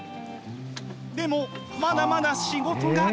でもまだまだ仕事が。